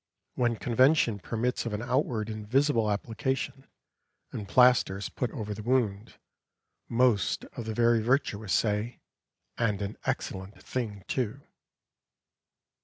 When convention permits of an outward and visible application, and plaster is put over the wound, most of the very virtuous say, "and an excellent thing, too."